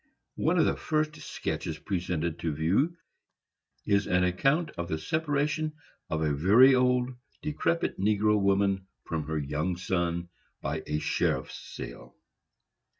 One of the first sketches presented to view is an account of the separation of a very old, decrepit negro woman from her young son, by a sheriff's sale.